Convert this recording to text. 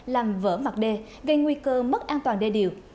làm vỡ mặt đê gây nguy cơ mất an toàn đê điều